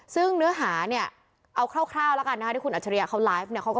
ซึ่งเนื้อหาเนี่ยเอาคร่าวแล้วกันนะคะที่คุณอัจฉริยะเขาไลฟ์เนี่ย